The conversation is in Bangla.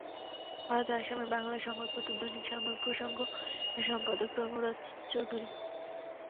ভারতের আসামের বাংলা সংবাদপত্র দৈনিক সাময়িক প্রসঙ্গ-এর সম্পাদক তৈমুর রাজা চৌধুরী।